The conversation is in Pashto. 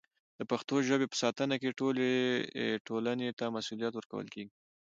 د پښتو ژبې په ساتنه کې ټولې ټولنې ته مسوولیت ورکول کېږي.